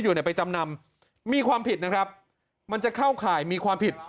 เนี่ยไปจำนำมีความผิดนะครับมันจะเข้าข่ายมีความผิด